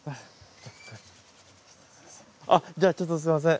じゃあちょっとすみません。